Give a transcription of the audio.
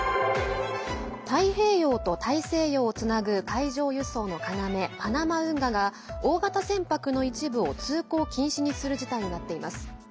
太平洋と大西洋をつなぐ海上輸送の要、パナマ運河が大型船舶の一部を通行禁止にする事態になっています。